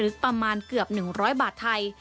ประมาณเกือบ๑๐๐บาทไทย